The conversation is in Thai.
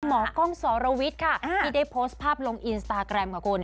หมอกล้องสรวิทย์ค่ะที่ได้โพสต์ภาพลงอินสตาแกรมค่ะคุณ